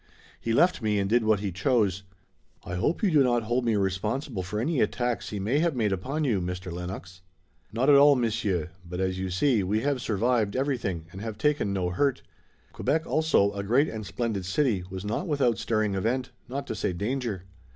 He left me, and did what he chose. I hope you do not hold me responsible for any attacks he may have made upon you, Mr. Lennox." "Not at all, Monsieur, but as you see, we have survived everything and have taken no hurt. Quebec also, a great and splendid city, was not without stirring event, not to say danger."